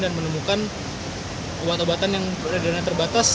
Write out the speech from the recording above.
dan menemukan obat obatan yang berada di dalamnya terbatas